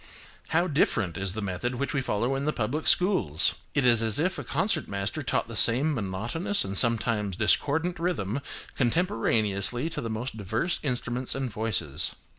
How different is the method which we follow in the public schools! It is as if a concert master taught the same monotonous and sometimes discordant rhythm contemporaneously to the most diverse instruments and voices.